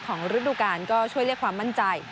ฤดูกาลก็ช่วยเรียกความมั่นใจ